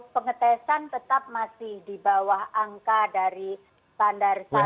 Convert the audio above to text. pengetesan tetap masih di bawah